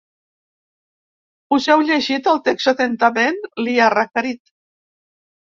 Us heu llegit el text atentament?, li ha requerit.